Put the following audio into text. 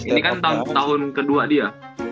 ini kan tahun kedua dia